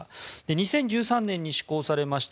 ２０１３年に施行されました